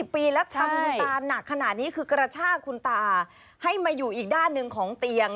ปีแล้วทำคุณตาหนักขนาดนี้คือกระชากคุณตาให้มาอยู่อีกด้านหนึ่งของเตียง